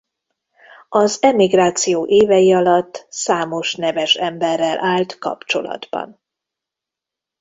Az emigráció évei alatt számos neves emberrel állt kapcsolatban.